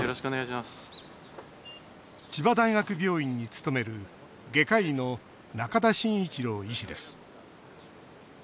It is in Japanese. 千葉大学病院に勤める外科医の仲田真一郎医師です。